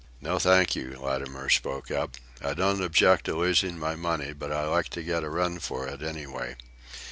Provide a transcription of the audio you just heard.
"No, thank you," Latimer spoke up. "I don't object to losing my money, but I like to get a run for it anyway.